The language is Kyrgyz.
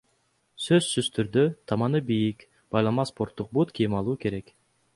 Сөзсүз түрдө — таманы бийик, байлама спорттук бут кийим алуу керек.